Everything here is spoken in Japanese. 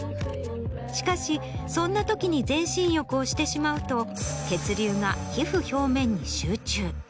しかしそんなときに全身浴をしてしまうと血流が皮膚表面に集中。